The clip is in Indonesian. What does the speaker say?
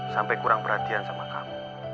sampai kurang perhatian sama kamu